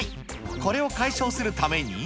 これを解消するために。